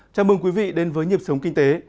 chào mừng quý vị đến với nhịp sống kinh tế